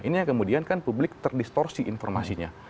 ini yang kemudian kan publik terdistorsi informasinya